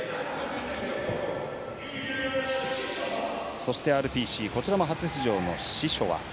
そして、ＲＰＣこちらも初出場の、シショワ。